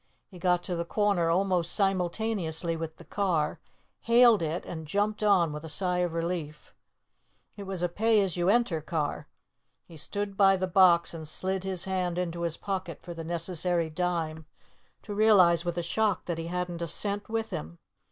He got to the corner almost simultaneously with the car, hailed it and jumped on with a sigh of relief. It was a pay as you enter car. He stood by the box and slid his hand into his pocket for the necessary dime, to realize with a shock that he hadn't a cent with him.